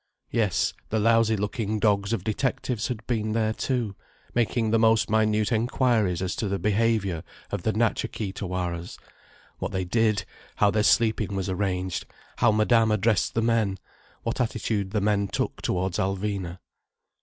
Yes, the lousy looking dogs of detectives had been there too, making the most minute enquiries as to the behaviour of the Natcha Kee Tawaras, what they did, how their sleeping was arranged, how Madame addressed the men, what attitude the men took towards Alvina.